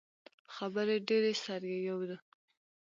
خبرې ډیرې سر ئې یؤ